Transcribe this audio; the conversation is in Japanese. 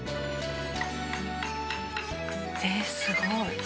えっすごい。